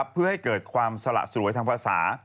เพื่อให้เกิดความสละสวยทางภาษา